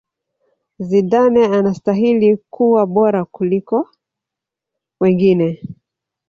Zidane anastahili kuwa bora kukliko wengine